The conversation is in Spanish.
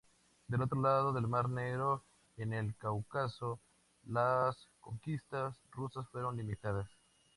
Del otro lado del mar Negro, en el Cáucaso, las conquistas rusas fueron limitadas.